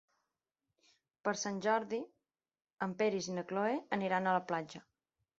Per Sant Jordi en Peris i na Cloè aniran a la platja.